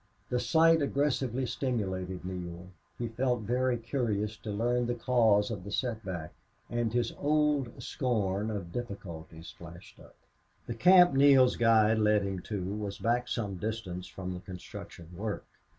The sight aggressively stimulated Neale. He felt very curious to learn the cause of the setback, and his old scorn of difficulties flashed up. The camp Neale's guide led him to was back some distance from the construction work.